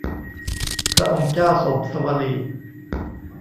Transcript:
พระองค์เจ้าโสมสวลี